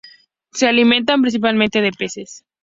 Se alimentan principalmente de peces.